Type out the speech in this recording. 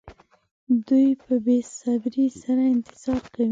دوی په بې صبرۍ سره انتظار کوي.